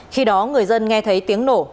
khi đó người dân nghe thấy tiếng nổ